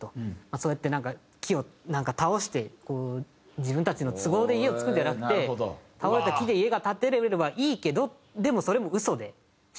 そうやって木を倒して自分たちの都合で家を造るんじゃなくて倒れた木で家が建てられればいいけどでも「それも嘘」でして。